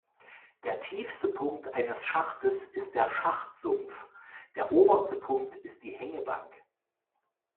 Der tiefste Punkt eines Schachtes ist der Schachtsumpf, der oberste Punkt ist die Hängebank.